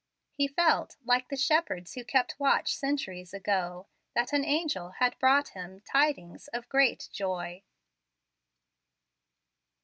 He felt, like the shepherds who kept watch centuries ago, that an angel had brought him "tidings of great joy."